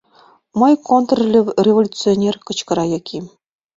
— Мый контрреволюционер?! — кычкыра Яким.